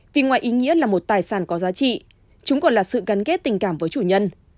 vì ngoài ý nghĩa là một tài sản có giá trị chúng còn là sự gắn kết tình cảm với chủ nhân